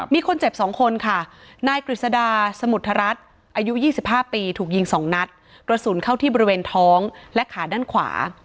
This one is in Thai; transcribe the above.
มีคนเจ็บ๒คนค่ะนายกฤษดาสมุทรรัฐอายุ๒๕ปีถูกยิง๒นัดกระสุนเข้าที่บริเวณท้องและขาด้านขวา